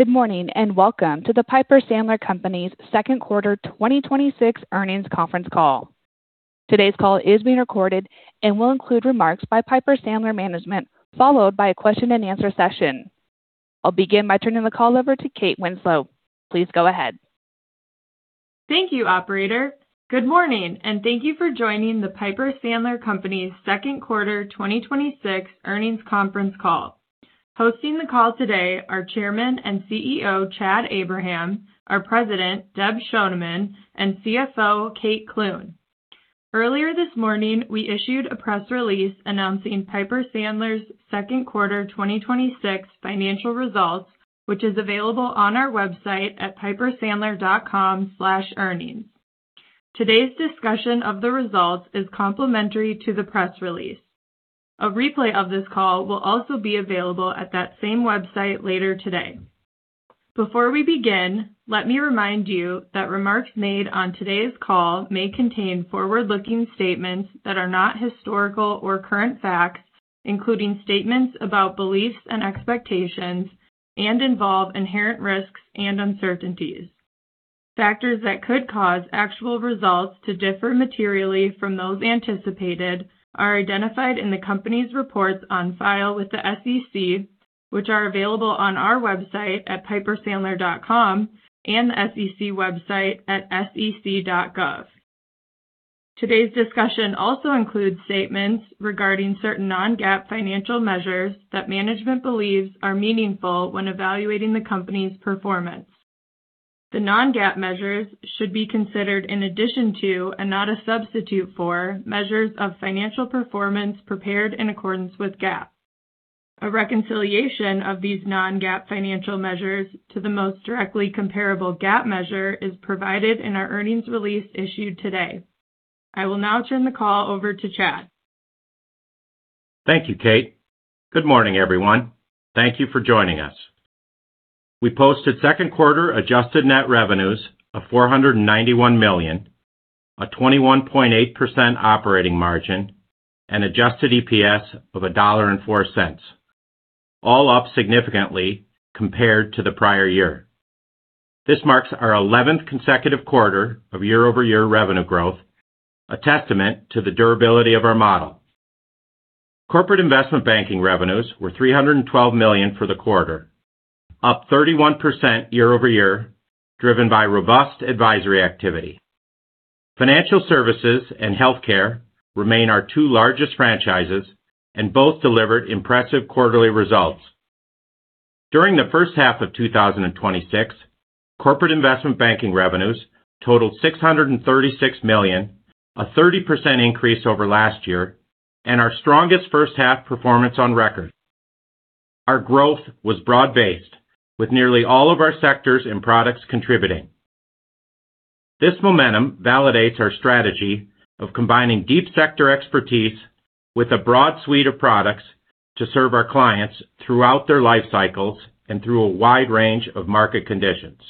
Good morning, welcome to Piper Sandler Companies' second quarter 2026 earnings conference call. Today's call is being recorded and will include remarks by Piper Sandler management, followed by a question and answer session. I'll begin by turning the call over to Kate Winslow. Please go ahead. Thank you, operator. Good morning, thank you for joining Piper Sandler Companies' second quarter 2026 earnings conference call. Hosting the call today are Chairman and CEO, Chad Abraham, our President, Deb Schoneman, and CFO, Kate Clune. Earlier this morning, we issued a press release announcing Piper Sandler's second quarter 2026 financial results, which is available on our website at pipersandler.com/earnings. Today's discussion of the results is complementary to the press release. A replay of this call will also be available at that same website later today. Before we begin, let me remind you that remarks made on today's call may contain forward-looking statements that are not historical or current facts, including statements about beliefs and expectations, involve inherent risks and uncertainties. Factors that could cause actual results to differ materially from those anticipated are identified in the company's reports on file with the SEC, which are available on our website at pipersandler.com, the SEC website at sec.gov. Today's discussion also includes statements regarding certain non-GAAP financial measures that management believes are meaningful when evaluating the company's performance. The non-GAAP measures should be considered in addition to, and not a substitute for, measures of financial performance prepared in accordance with GAAP. A reconciliation of these non-GAAP financial measures to the most directly comparable GAAP measure is provided in our earnings release issued today. I will now turn the call over to Chad. Thank you, Kate. Good morning, everyone. Thank you for joining us. We posted second quarter adjusted net revenues of $491 million, a 21.8% operating margin, adjusted EPS of $1.04, all up significantly compared to the prior year. This marks our 11th consecutive quarter of year-over-year revenue growth, a testament to the durability of our model. Corporate investment banking revenues were $312 million for the quarter, up 31% year-over-year, driven by robust advisory activity. Financial services and healthcare remain our two largest franchises, both delivered impressive quarterly results. During the first half of 2026, corporate investment banking revenues totaled $636 million, a 30% increase over last year, our strongest first half performance on record. Our growth was broad-based, with nearly all of our sectors and products contributing. This momentum validates our strategy of combining deep sector expertise with a broad suite of products to serve our clients throughout their life cycles and through a wide range of market conditions.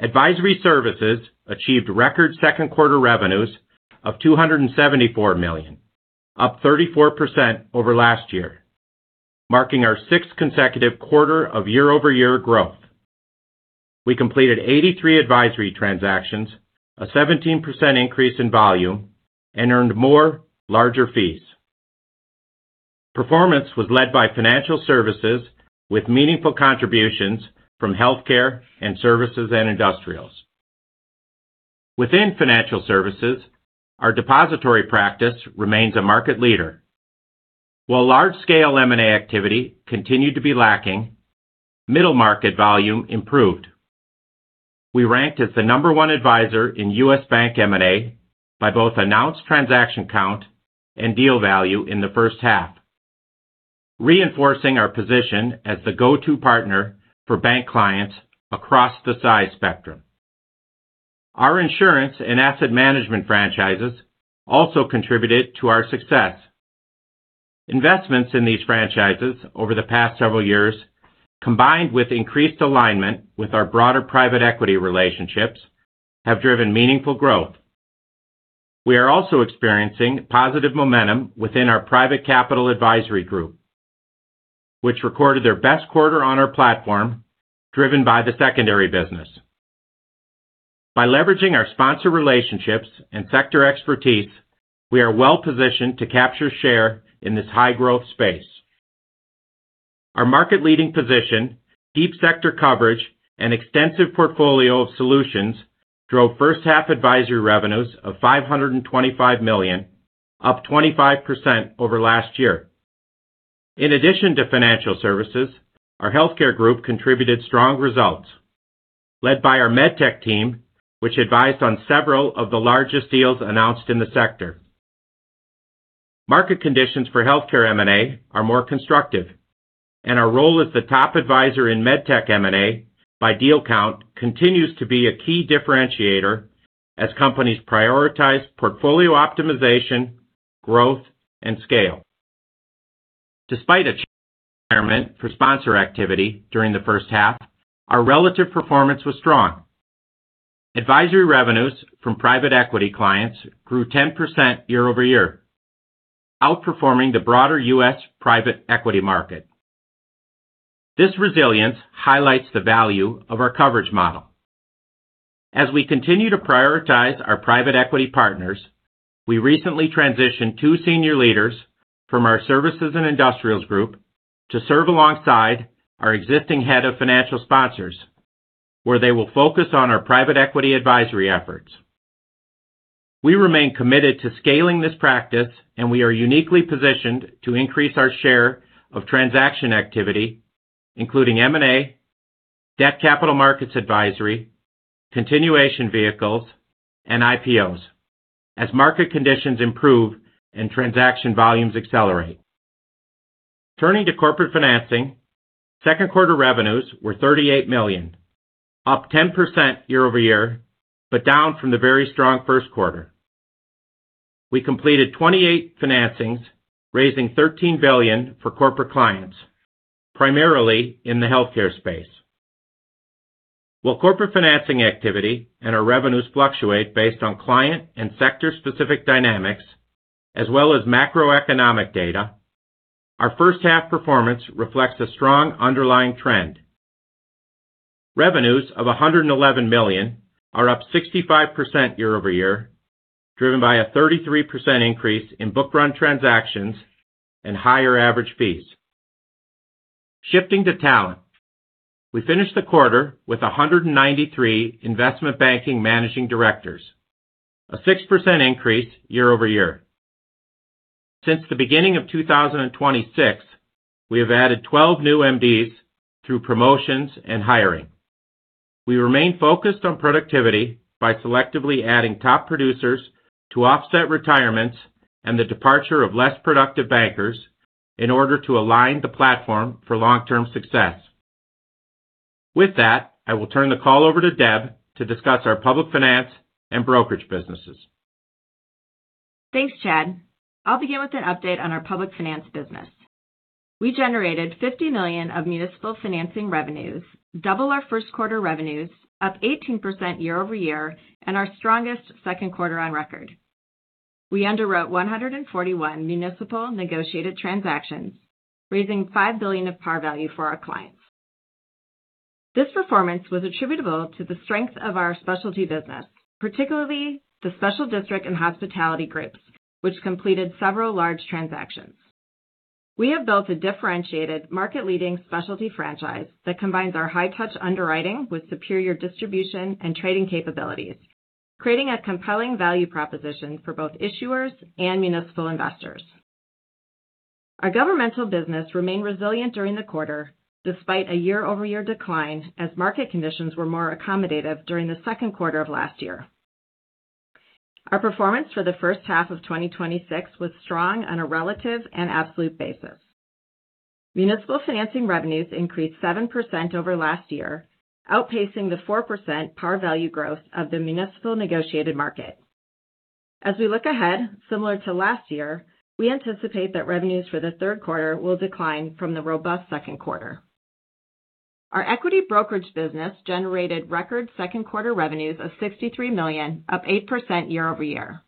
Advisory services achieved record second quarter revenues of $274 million, up 34% over last year, marking our sixth consecutive quarter of year-over-year growth. We completed 83 advisory transactions, a 17% increase in volume, and earned more larger fees. Performance was led by financial services with meaningful contributions from healthcare and Services and Industrials. Within financial services, our depository practice remains a market leader. While large-scale M&A activity continued to be lacking, middle market volume improved. We ranked as the number one advisor in U.S. bank M&A by both announced transaction count and deal value in the first half, reinforcing our position as the go-to partner for bank clients across the size spectrum. Our insurance and asset management franchises also contributed to our success. Investments in these franchises over the past several years, combined with increased alignment with our broader private equity relationships, have driven meaningful growth. We are also experiencing positive momentum within our Private Capital Advisory group, which recorded their best quarter on our platform, driven by the secondary business. By leveraging our sponsor relationships and sector expertise, we are well-positioned to capture share in this high-growth space. Our market-leading position, deep sector coverage, and extensive portfolio of solutions drove first half advisory revenues of $525 million, up 25% over last year. In addition to financial services, our healthcare group contributed strong results led by our med tech team, which advised on several of the largest deals announced in the sector. Market conditions for healthcare M&A are more constructive, and our role as the top advisor in med tech M&A by deal count continues to be a key differentiator as companies prioritize portfolio optimization, growth, and scale. Despite a challenging environment for sponsor activity during the first half, our relative performance was strong. Advisory revenues from private equity clients grew 10% year-over-year, outperforming the broader U.S. private equity market. This resilience highlights the value of our coverage model. As we continue to prioritize our private equity partners, we recently transitioned two senior leaders from our Services and Industrials group to serve alongside our existing head of financial sponsors, where they will focus on our private equity advisory efforts. We remain committed to scaling this practice, and we are uniquely positioned to increase our share of transaction activity, including M&A, Debt Capital Markets advisory, continuation vehicles, and IPOs as market conditions improve and transaction volumes accelerate. Turning to corporate financing, second quarter revenues were $38 million, up 10% year-over-year, but down from the very strong first quarter. We completed 28 financings, raising $13 billion for corporate clients, primarily in the healthcare space. While corporate financing activity and our revenues fluctuate based on client and sector specific dynamics as well as macroeconomic data, our first half performance reflects a strong underlying trend. Revenues of $111 million are up 65% year-over-year, driven by a 33% increase in book-run transactions and higher average fees. Shifting to talent, we finished the quarter with 193 investment banking Managing Directors, a 6% increase year-over-year. Since the beginning of 2026, we have added 12 new MDs through promotions and hiring. We remain focused on productivity by selectively adding top producers to offset retirements and the departure of less productive bankers in order to align the platform for long-term success. With that, I will turn the call over to Deb to discuss our public finance and brokerage businesses. Thanks, Chad. I'll begin with an update on our public finance business. We generated $50 million of municipal financing revenues, double our first quarter revenues, up 18% year-over-year, and our strongest second quarter on record. We underwrote 141 municipal negotiated transactions, raising $5 billion of par value for our clients. This performance was attributable to the strength of our specialty business, particularly the special district and hospitality groups, which completed several large transactions. We have built a differentiated market leading specialty franchise that combines our high touch underwriting with superior distribution and trading capabilities, creating a compelling value proposition for both issuers and municipal investors. Our governmental business remained resilient during the quarter despite a year-over-year decline as market conditions were more accommodative during the second quarter of last year. Our performance for the first half of 2026 was strong on a relative and absolute basis. Municipal financing revenues increased 7% over last year, outpacing the 4% par value growth of the municipal negotiated market. As we look ahead, similar to last year, we anticipate that revenues for the third quarter will decline from the robust second quarter. Our equity brokerage business generated record second quarter revenues of $63 million, up 8% year-over-year.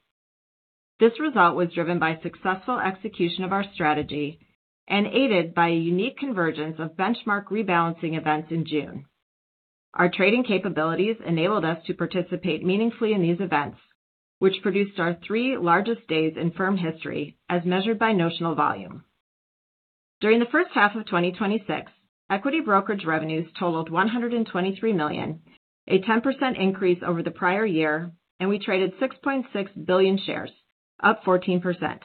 This result was driven by successful execution of our strategy and aided by a unique convergence of benchmark rebalancing events in June. Our trading capabilities enabled us to participate meaningfully in these events, which produced our three largest days in firm history as measured by notional volume. During the first half of 2026, equity brokerage revenues totaled $123 million, a 10% increase over the prior year, and we traded 6.6 billion shares, up 14%.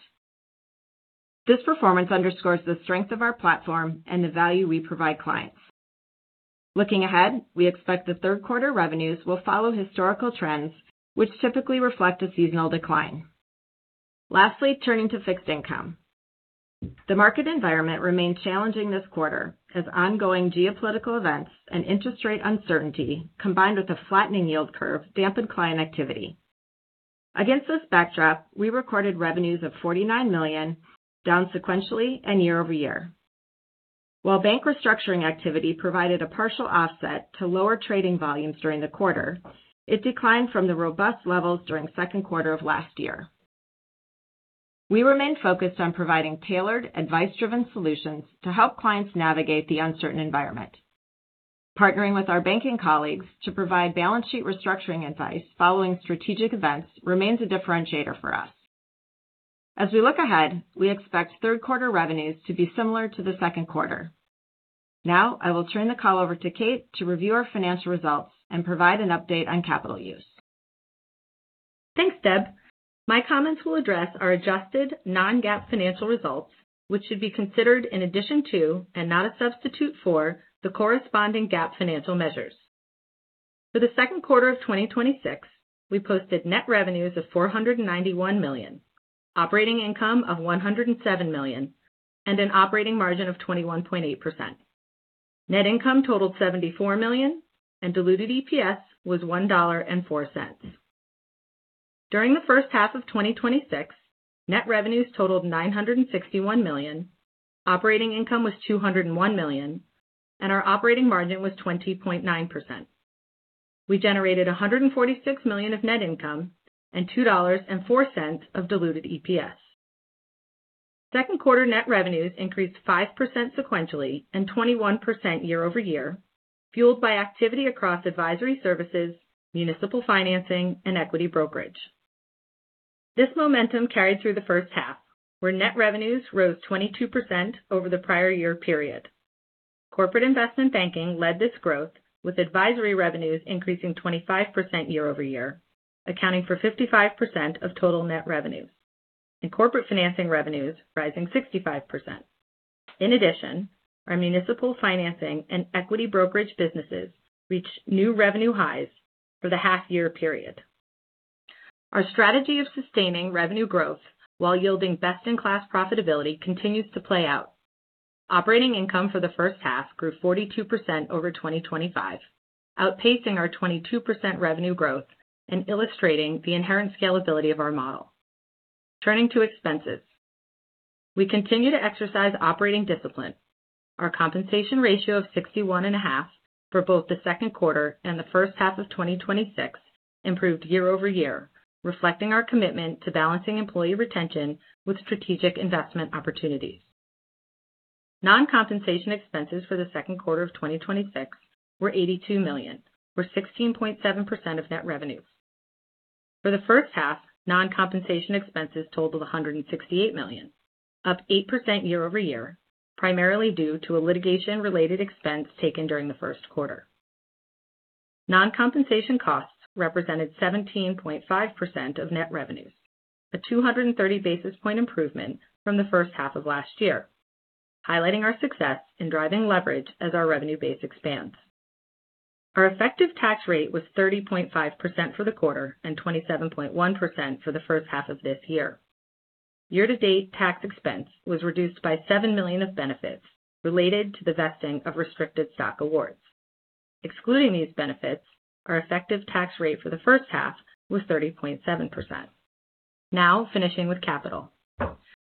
This performance underscores the strength of our platform and the value we provide clients. Looking ahead, we expect the third quarter revenues will follow historical trends which typically reflect a seasonal decline. Lastly, turning to fixed income. The market environment remained challenging this quarter as ongoing geopolitical events and interest rate uncertainty, combined with a flattening yield curve dampened client activity. Against this backdrop, we recorded revenues of $49 million, down sequentially and year-over-year. While bank restructuring activity provided a partial offset to lower trading volumes during the quarter, it declined from the robust levels during second quarter of last year. We remain focused on providing tailored, advice-driven solutions to help clients navigate the uncertain environment. Partnering with our banking colleagues to provide balance sheet restructuring advice following strategic events remains a differentiator for us. As we look ahead, we expect third quarter revenues to be similar to the second quarter. Now I will turn the call over to Kate to review our financial results and provide an update on capital use. Thanks, Deb. My comments will address our adjusted non-GAAP financial results, which should be considered in addition to and not a substitute for the corresponding GAAP financial measures. For the second quarter of 2026, we posted net revenues of $491 million, operating income of $107 million, and an operating margin of 21.8%. Net income totaled $74 million, and diluted EPS was $1.4. During the first half of 2026, net revenues totaled $961 million, operating income was $201 million, and our operating margin was 20.9%. We generated $146 million of net income and $2.04 of diluted EPS. Second quarter net revenues increased 5% sequentially and 21% year-over-year, fueled by activity across advisory services, municipal financing, and equity brokerage. This momentum carried through the first half, where net revenues rose 22% over the prior year period. Corporate investment banking led this growth, with advisory revenues increasing 25% year-over-year, accounting for 55% of total net revenues. Corporate financing revenues rising 65%. In addition, our municipal financing and equity brokerage businesses reached new revenue highs for the half-year period. Our strategy of sustaining revenue growth while yielding best-in-class profitability continues to play out. Operating income for the first half grew 42% over 2025, outpacing our 22% revenue growth and illustrating the inherent scalability of our model. Turning to expenses. We continue to exercise operating discipline. Our compensation ratio of 61.5% for both the second quarter and the first half of 2026 improved year-over-year, reflecting our commitment to balancing employee retention with strategic investment opportunities. Non-compensation expenses for the second quarter of 2026 were $82 million, or 16.7% of net revenues. For the first half, non-compensation expenses totaled $168 million, up 8% year-over-year, primarily due to a litigation-related expense taken during the first quarter. Non-compensation costs represented 17.5% of net revenues, a 230 basis point improvement from the first half of last year, highlighting our success in driving leverage as our revenue base expands. Our effective tax rate was 30.5% for the quarter, and 27.1% for the first half of this year. Year-to-date, tax expense was reduced by $7 million of benefits related to the vesting of restricted stock awards. Excluding these benefits, our effective tax rate for the first half was 30.7%. Now, finishing with capital.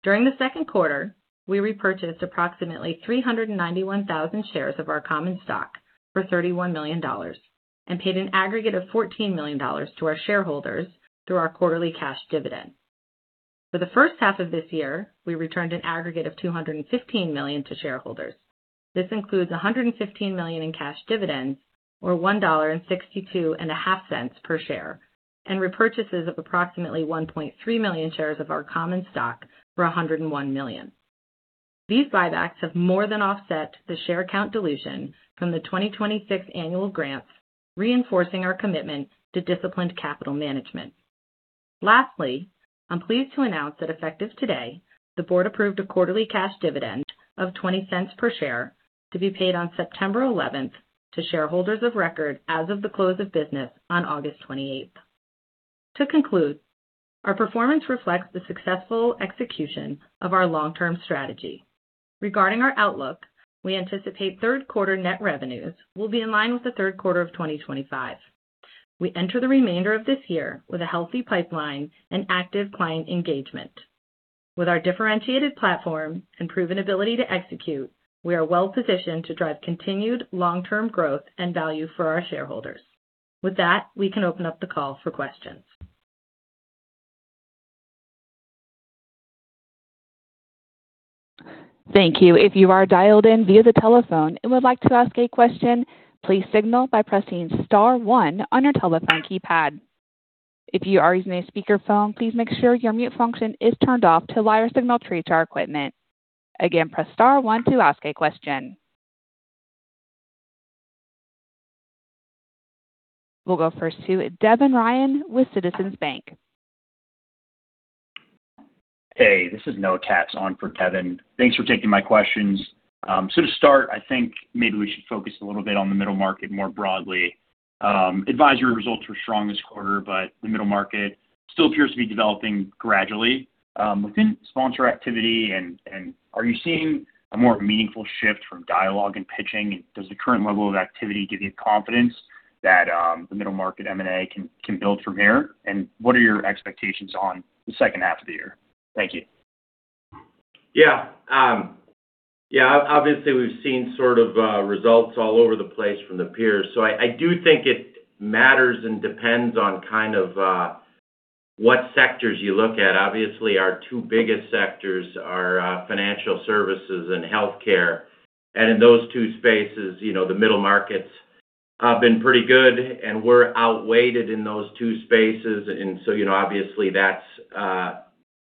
During the second quarter, we repurchased approximately 391,000 shares of our common stock for $31 million and paid an aggregate of $14 million to our shareholders through our quarterly cash dividend. For the first half of this year, we returned an aggregate of $215 million to shareholders. This includes $115 million in cash dividends, or $1.625 per share, and repurchases of approximately 1.3 million shares of our common stock for $101 million. These buybacks have more than offset the share count dilution from the 2026 annual grants, reinforcing our commitment to disciplined capital management. I'm pleased to announce that effective today, the board approved a quarterly cash dividend of $0.20 per share to be paid on September 11th to shareholders of record as of the close of business on August 28th. To conclude, our performance reflects the successful execution of our long-term strategy. Regarding our outlook, we anticipate third quarter net revenues will be in line with the third quarter of 2025. We enter the remainder of this year with a healthy pipeline and active client engagement. With our differentiated platform and proven ability to execute, we are well-positioned to drive continued long-term growth and value for our shareholders. With that, we can open up the call for questions. Thank you. If you are dialed in via the telephone and would like to ask a question, please signal by pressing *1 on your telephone keypad. If you are using a speakerphone, please make sure your mute function is turned off to allow your signal to reach our equipment. Again, press *1 to ask a question. We'll go first to Devin Ryan with Citizens JMP. Hey, this is no taps on for Devin. Thanks for taking my questions. To start, I think maybe we should focus a little bit on the middle market more broadly. Advisory results were strong this quarter, but the middle market still appears to be developing gradually. Within sponsor activity, are you seeing a more meaningful shift from dialogue and pitching, and does the current level of activity give you confidence that the middle market M&A can build from here? What are your expectations on the second half of the year? Thank you. Yeah. Obviously, we've seen sort of results all over the place from the peers. I do think it matters and depends on kind of what sectors you look at. Obviously, our two biggest sectors are financial services and healthcare. In those two spaces, the middle markets have been pretty good, and we're out weighted in those two spaces. Obviously that's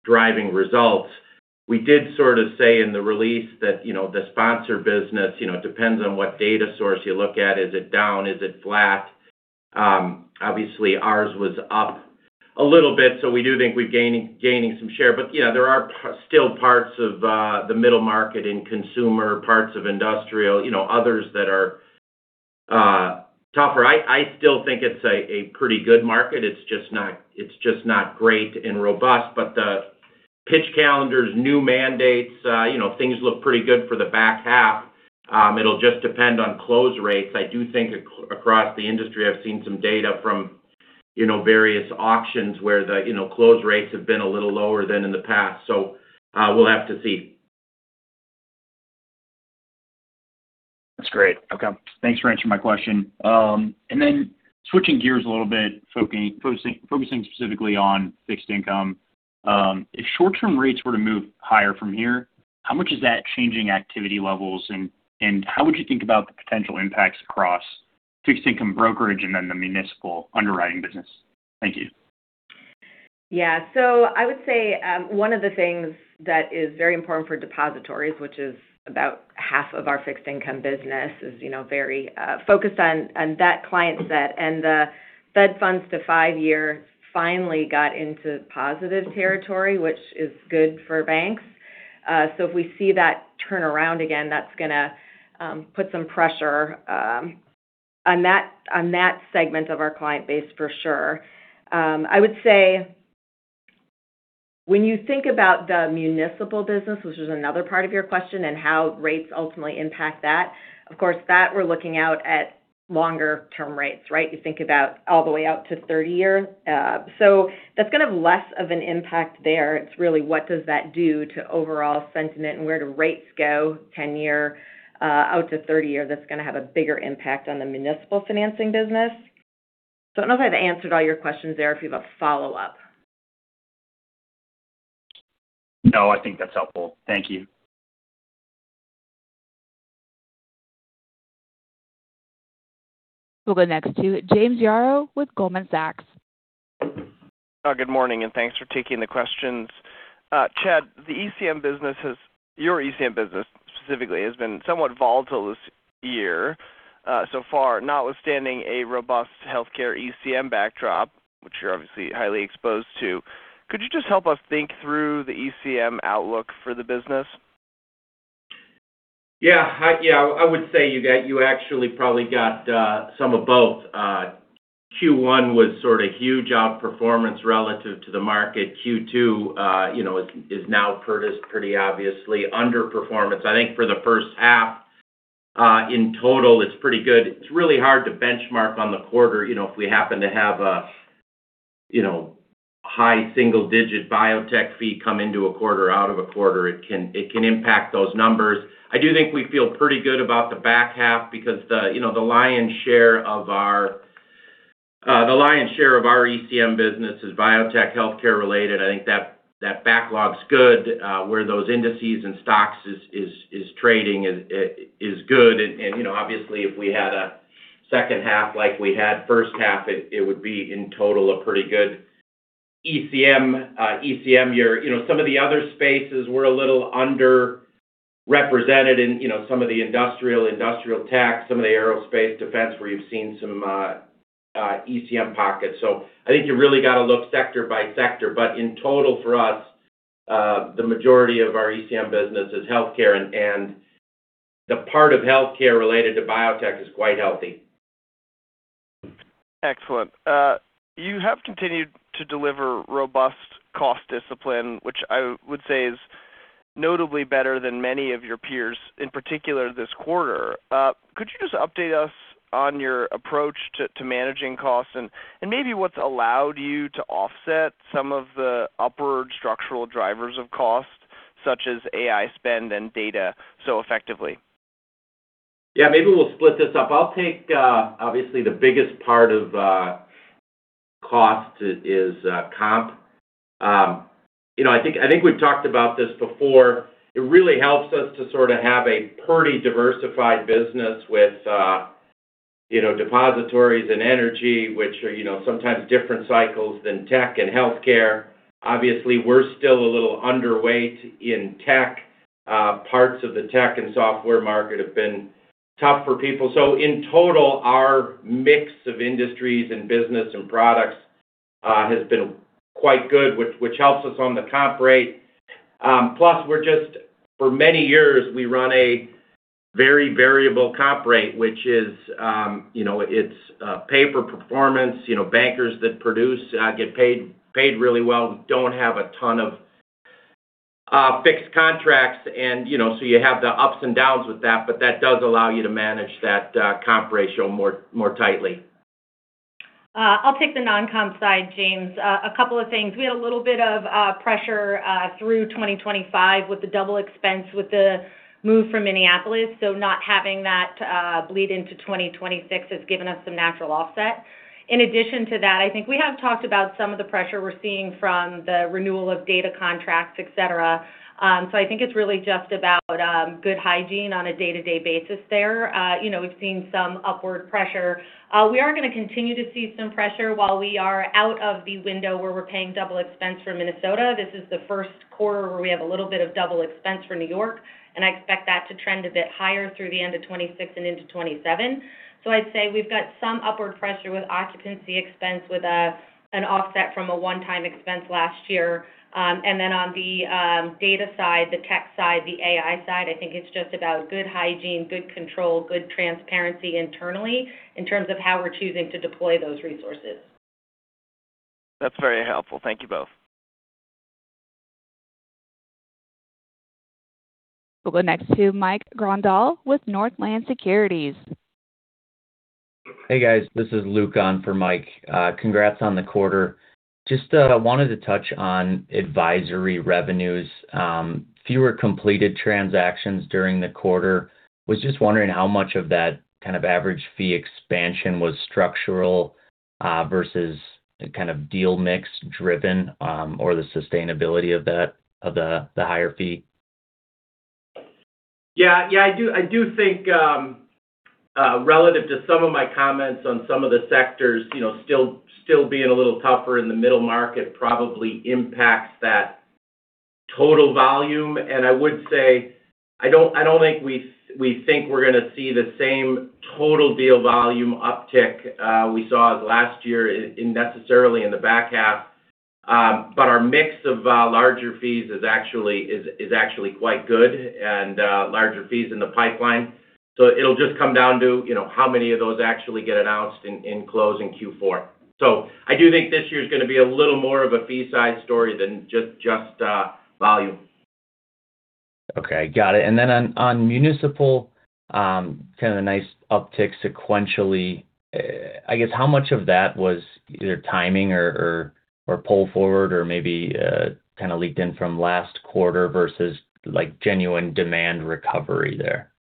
driving results. We did sort of say in the release that the sponsor business, it depends on what data source you look at. Is it down? Is it flat? Obviously, ours was up a little bit, so we do think we're gaining some share. Yeah, there are still parts of the middle market and consumer parts of industrial, others that are tougher. I still think it's a pretty good market. It's just not great and robust. The Pitch calendars, new mandates, things look pretty good for the back half. It'll just depend on close rates. I do think across the industry, I've seen some data from various auctions where the close rates have been a little lower than in the past. We'll have to see. That's great. Okay. Thanks for answering my question. Switching gears a little bit, focusing specifically on fixed income. If short-term rates were to move higher from here, how much is that changing activity levels, and how would you think about the potential impacts across fixed income brokerage and then the municipal underwriting business? Thank you. Yeah. I would say, one of the things that is very important for depositories, which is about half of our fixed income business, is very focused on that client set. The Federal funds to five-year finally got into positive territory, which is good for banks. If we see that turn around again, that's going to put some pressure on that segment of our client base for sure. I would say, when you think about the municipal business, which is another part of your question, and how rates ultimately impact that, of course, that we're looking out at longer-term rates, right? You think about all the way out to 30 years. That's going to have less of an impact there. It's really what does that do to overall sentiment and where do rates go, 10-year out to 30-year, that's going to have a bigger impact on the municipal financing business. I don't know if I've answered all your questions there, if you have a follow-up. I think that's helpful. Thank you. We'll go next to James Yaro with Goldman Sachs. Good morning, thanks for taking the questions. Chad, your ECM business specifically has been somewhat volatile this year so far, notwithstanding a robust healthcare ECM backdrop, which you're obviously highly exposed to. Could you just help us think through the ECM outlook for the business? I would say you actually probably got some of both. Q1 was sort of huge outperformance relative to the market. Q2 is now pretty obviously underperformance. I think for the first half in total, it's pretty good. It's really hard to benchmark on the quarter. If we happen to have a high single-digit biotech fee come into a quarter out of a quarter, it can impact those numbers. I do think we feel pretty good about the back half because the lion's share of our ECM business is biotech healthcare related. I think that backlog's good. Where those indices and stocks is trading is good. Obviously, if we had a second half like we had first half, it would be, in total, a pretty good ECM year. Some of the other spaces were a little underrepresented in some of the industrial tech, some of the aerospace defense, where you've seen some ECM pockets. I think you really got to look sector by sector. In total for us, the majority of our ECM business is healthcare, and the part of healthcare related to biotech is quite healthy. Excellent. You have continued to deliver robust cost discipline, which I would say is notably better than many of your peers, in particular this quarter. Could you just update us on your approach to managing costs and maybe what's allowed you to offset some of the upward structural drivers of cost, such as AI spend and data, so effectively? Yeah. Maybe we'll split this up. I'll take, obviously the biggest part of cost is comp. I think we've talked about this before. It really helps us to sort of have a pretty diversified business with depositories and energy, which are sometimes different cycles than tech and healthcare. Obviously, we're still a little underweight in tech. Parts of the tech and software market have been tough for people. In total, our mix of industries and business and products has been quite good, which helps us on the comp rate. Plus, for many years, we run a very variable comp rate, which is pay for performance. Bankers that produce get paid really well, don't have a ton of fixed contracts, and so you have the ups and downs with that. That does allow you to manage that comp ratio more tightly. I'll take the non-comp side, James. A couple of things. We had a little bit of pressure through 2025 with the double expense with the move from Minneapolis. Not having that bleed into 2026 has given us some natural offset. In addition to that, I think we have talked about some of the pressure we're seeing from the renewal of data contracts, et cetera. I think it's really just about good hygiene on a day-to-day basis there. We've seen some upward pressure. We are going to continue to see some pressure while we are out of the window where we're paying double expense for Minnesota. This is the first quarter where we have a little bit of double expense for New York, and I expect that to trend a bit higher through the end of 2026 and into 2027. I'd say we've got some upward pressure with occupancy expense with an offset from a one-time expense last year. On the data side, the tech side, the AI side, I think it's just about good hygiene, good control, good transparency internally in terms of how we're choosing to deploy those resources. That's very helpful. Thank you both. We'll go next to Michael Grondahl with Northland Securities. Hey, guys. This is Luke on for Mike. Congrats on the quarter. Just wanted to touch on advisory revenues. Fewer completed transactions during the quarter. I was just wondering how much of that kind of average fee expansion was structural versus kind of deal mix driven or the sustainability of the higher fee. Yeah, I do think relative to some of my comments on some of the sectors still being a little tougher in the middle market probably impacts that total volume. I would say, I don't think we think we're going to see the same total deal volume uptick we saw last year necessarily in the back half. Our mix of larger fees is actually quite good, and larger fees in the pipeline. It'll just come down to how many of those actually get announced and close in Q4. I do think this year's going to be a little more of a fee side story than just volume. Okay. Got it. Then on municipal, kind of a nice uptick sequentially. I guess, how much of that was either timing or pull forward or maybe kind of leaked in from last quarter versus genuine demand recovery there?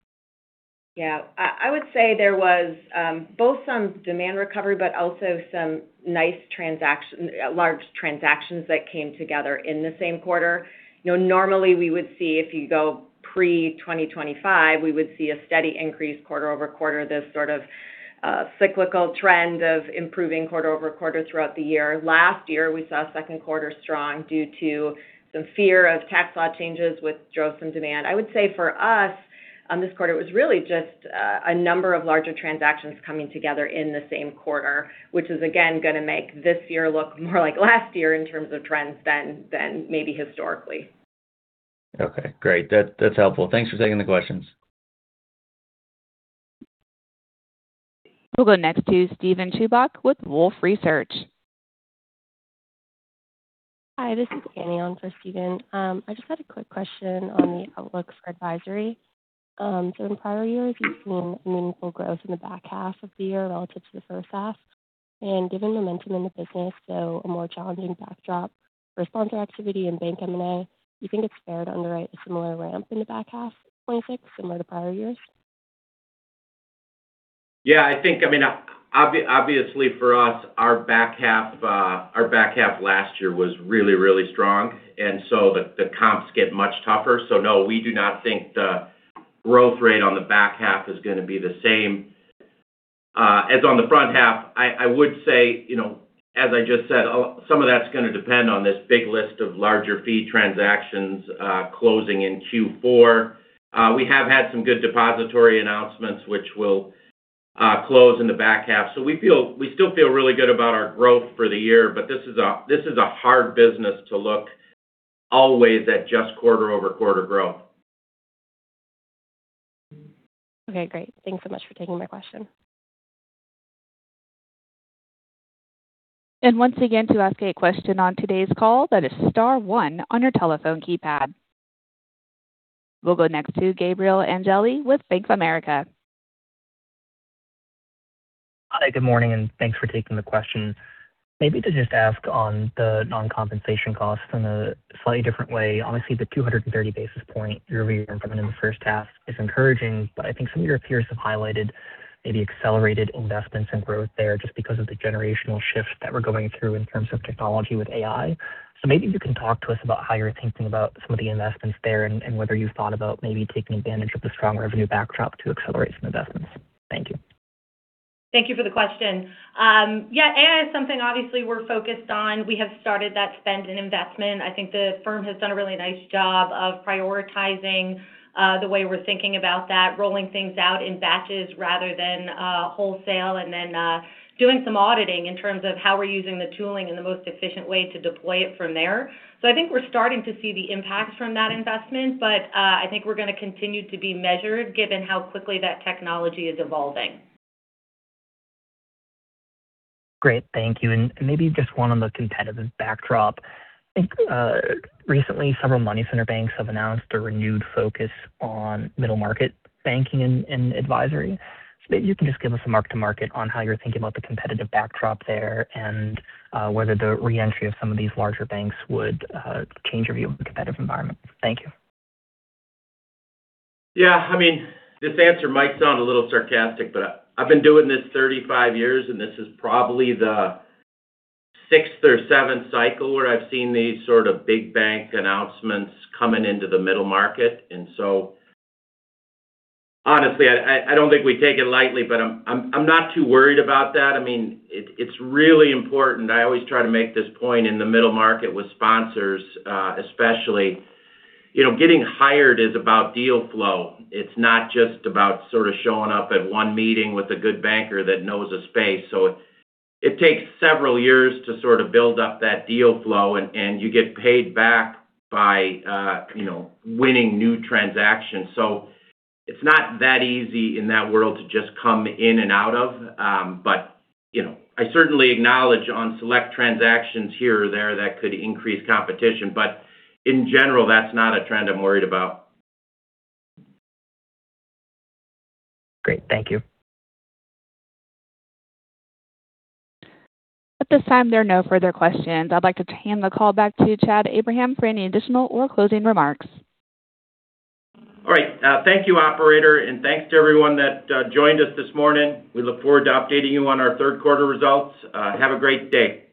Yeah. I would say there was both some demand recovery, also some nice large transactions that came together in the same quarter. Normally we would see, if you go pre-2025, we would see a steady increase quarter-over-quarter, this sort of cyclical trend of improving quarter-over-quarter throughout the year. Last year, we saw second quarter strong due to some fear of tax law changes, which drove some demand. I would say for us, this quarter was really just a number of larger transactions coming together in the same quarter, which is again going to make this year look more like last year in terms of trends than maybe historically. Okay, great. That's helpful. Thanks for taking the questions. We'll go next to Steven Chubak with Wolfe Research. Hi, this is Annie on for Steven. I just had a quick question on the outlook for advisory. In prior years, you've seen meaningful growth in the back half of the year relative to the first half. Given momentum in the business, a more challenging backdrop for sponsor activity and bank M&A, do you think it's fair to underwrite a similar ramp in the back half 2026 similar to prior years? I think, obviously for us, our back half last year was really strong. The comps get much tougher. No, we do not think the growth rate on the back half is going to be the same as on the front half. I would say, as I just said, some of that's going to depend on this big list of larger fee transactions closing in Q4. We have had some good depository announcements which will close in the back half. We still feel really good about our growth for the year. This is a hard business to look always at just quarter-over-quarter growth. Okay, great. Thanks so much for taking my question. Once again, to ask a question on today's call, that is star one on your telephone keypad. We'll go next to Gabriel Angelini with Bank of America. Hi, good morning, and thanks for taking the question. Maybe to just ask on the non-compensation costs in a slightly different way. Obviously, the 230 basis point year-over-year improvement in the first half is encouraging, but I think some of your peers have highlighted maybe accelerated investments and growth there just because of the generational shift that we're going through in terms of technology with AI. Maybe you can talk to us about how you're thinking about some of the investments there and whether you've thought about maybe taking advantage of the strong revenue backdrop to accelerate some investments. Thank you. Thank you for the question. Yeah, AI is something obviously we're focused on. We have started that spend and investment. I think the firm has done a really nice job of prioritizing the way we're thinking about that, rolling things out in batches rather than wholesale, and then doing some auditing in terms of how we're using the tooling and the most efficient way to deploy it from there. I think we're starting to see the impacts from that investment, but I think we're going to continue to be measured given how quickly that technology is evolving. Great. Thank you. Maybe just one on the competitive backdrop. I think recently several money center banks have announced a renewed focus on middle market banking and advisory. Maybe you can just give us a mark to market on how you're thinking about the competitive backdrop there and whether the re-entry of some of these larger banks would change your view of the competitive environment. Thank you. Yeah. This answer might sound a little sarcastic, but I've been doing this 35 years, and this is probably the sixth or seventh cycle where I've seen these sort of big bank announcements coming into the middle market. Honestly, I don't think we take it lightly, but I'm not too worried about that. It's really important. I always try to make this point in the middle market with sponsors, especially. Getting hired is about deal flow. It's not just about sort of showing up at one meeting with a good banker that knows a space. It takes several years to sort of build up that deal flow, and you get paid back by winning new transactions. It's not that easy in that world to just come in and out of. I certainly acknowledge on select transactions here or there that could increase competition. In general, that's not a trend I'm worried about. Great. Thank you. At this time, there are no further questions. I'd like to hand the call back to Chad Abraham for any additional or closing remarks. All right. Thank you, operator, and thanks to everyone that joined us this morning. We look forward to updating you on our third quarter results. Have a great day.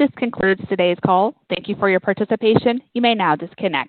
This concludes today's call. Thank you for your participation. You may now disconnect.